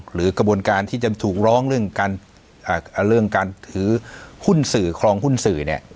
หรือกระบวนการที่จะถูกร้องเรื่องการถือหุ้นสื่อครองหุ้นสื่อเนี่ย